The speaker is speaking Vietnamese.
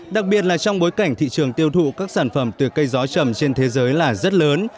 đặc biệt là trong bối cảnh thị trường tiêu thụ các sản phẩm từ cây gió chầm trên thế giới là rất lớn